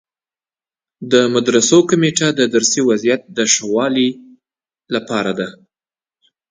مدرسو کمیټه د درسي وضعیت د ښه والي لپاره ده.